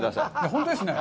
本当ですね。